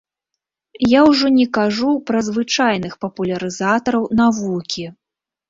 Я ўжо не кажу пра звычайных папулярызатараў навукі.